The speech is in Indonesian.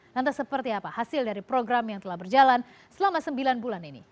lantas seperti apa hasil dari program yang telah berjalan selama sembilan bulan ini